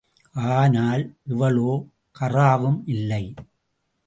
ஆனால் இவளோ காறவும் இல்லை.